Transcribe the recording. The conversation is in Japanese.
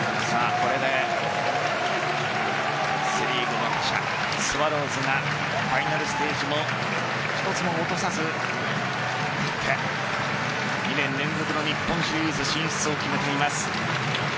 これでセ・リーグの覇者スワローズがファイナルステージで１つも落とさず２年連続の日本シリーズ進出を決めています。